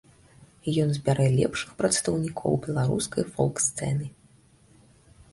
Ён збярэ лепшых прадстаўнікоў беларускай фолк-сцэны.